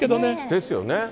ですよね。